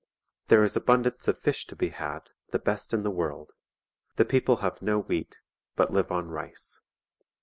There is abundance of fish to be had, the best in the world. The people have no wheat, but live on rice.